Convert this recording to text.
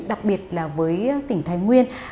đặc biệt là với tỉnh thái nguyên